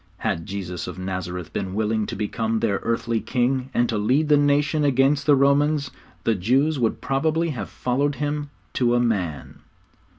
Had Jesus of Nazareth been willing to become their earthly king and to lead the nation against the Romans, the Jews would probably have followed Him to a man.